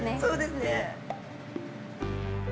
そうですね。